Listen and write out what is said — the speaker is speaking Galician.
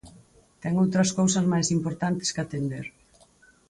Ten outras cousas máis importantes que atender.